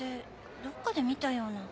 どこかで見たような。